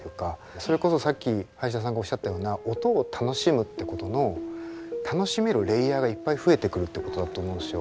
それこそさっき林田さんがおっしゃったような音を楽しむってことの楽しめるレイヤーがいっぱい増えてくるってことだと思うんですよ。